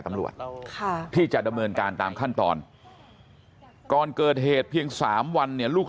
ตำรวจที่จะดำเนินการตามขั้นตอนก่อนเกิดเหตุเพียง๓วันเนี่ยลูก